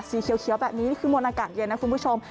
สีเขียวแบบนี้นี่คือมวลอากาศเย็นนะคุณผู้ชม